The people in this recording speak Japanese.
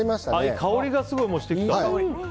香りがすごいしてきた。